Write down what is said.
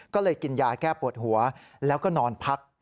ก็เลยกินยาแก้ปวดหัวแล้วก็นอนพัก